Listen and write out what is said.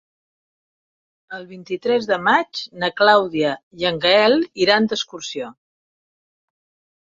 El vint-i-tres de maig na Clàudia i en Gaël iran d'excursió.